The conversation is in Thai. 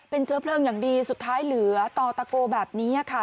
เป็นเชื้อเพลิงอย่างดีสุดท้ายเหลือต่อตะโกแบบนี้ค่ะ